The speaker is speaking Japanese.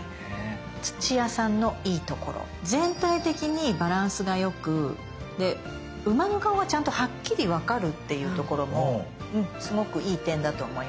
土屋さんのいいところ全体的にバランスが良くで馬の顔がちゃんとはっきり分かるっていうところもすごくいい点だと思います。